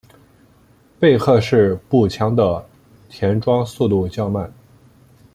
贝克式步枪的填装速度较慢。